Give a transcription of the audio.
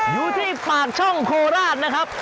อยู่ที่ปากช่องโคราชนะครับ